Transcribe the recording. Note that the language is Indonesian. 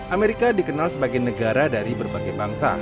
amerika dikenal sebagai negara dari berbagai bangsa